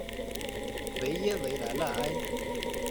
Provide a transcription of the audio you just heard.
维耶维莱赖埃。